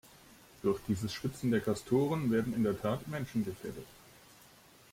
Durch dieses Schwitzen der Castoren werden in der Tat Menschen gefährdet.